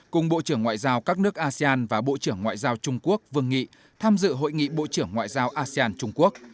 cùng bộ trưởng ngoại giao các nước asean và bộ trưởng ngoại giao trung quốc vương nghị tham dự hội nghị bộ trưởng ngoại giao asean trung quốc